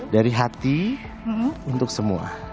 dari hati untuk semua